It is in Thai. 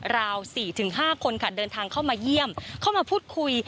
ราว๔๕คนค่ะเดินทางเข้ามาเยี่ยมเข้ามาพูดคุย